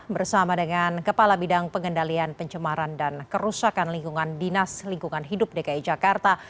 bersama dengan kepala bidang pengendalian pencemaran dan kerusakan lingkungan dinas lingkungan hidup dki jakarta